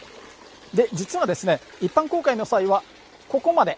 実は、一般公開の際はここまで。